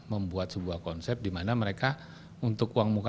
membuat sebuah konsep di mana mereka untuk uang muka